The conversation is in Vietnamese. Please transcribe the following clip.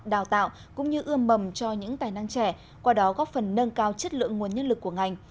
đào tạo cũng như ưa mầm cho những tài năng trẻ qua đó góp phần nâng cao chất lượng nguồn nhân lực của ngành